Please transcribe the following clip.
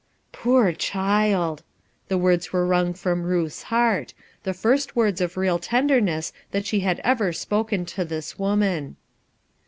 "Poor child!" The words were waring from Ruth's heart, — the first words of real tenderness that she had ever spoken to this woman.